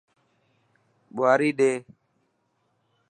ٻواري ڏي.